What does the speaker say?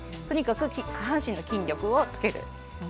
とにかく下半身の筋力をつける。